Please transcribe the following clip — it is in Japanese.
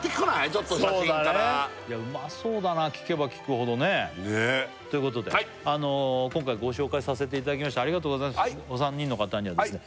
ちょっと写真からうまそうだな聞けば聞くほどねということで今回ご紹介させていただきましたお三人の方にはですね